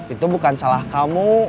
itu bukan salah kamu